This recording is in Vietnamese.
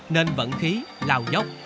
nên vận khí lào dốc